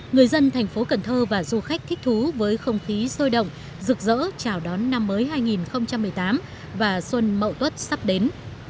người dân thành phố cần thơ và du khách thích thú với không khí sôi động rực rỡ chào đón năm mới hai nghìn một mươi tám và xuân mậu tuất sắp đến